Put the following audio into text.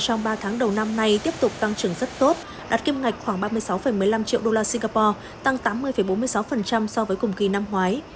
trong ba tháng đầu năm nay tiếp tục tăng trưởng rất tốt đạt kiêm ngạch khoảng ba mươi sáu một mươi năm triệu usd tăng tám mươi bốn mươi sáu so với cùng kỳ năm ngoái